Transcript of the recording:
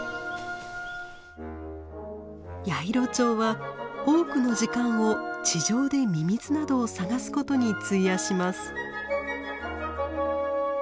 ヤイロチョウは多くの時間を地上でミミズなどを探すことに費やします。